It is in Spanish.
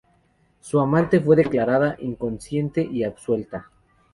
Su amante fue declarada inocente y absuelta.